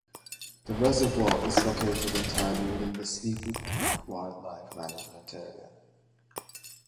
The reservoir is located entirely within the Sleepy Creek Wildlife Management Area.